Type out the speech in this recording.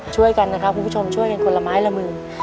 ช่วยกันนะครับคุณผู้ชมช่วยกันคนละไม้ละมือ